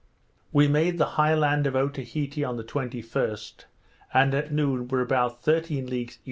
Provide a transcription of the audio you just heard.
We made the high land of Otaheite on the 21st, and at noon were about thirteen leagues E.